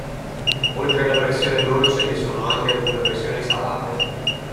Oltre alla versione dolce vi sono anche alcune versioni salate.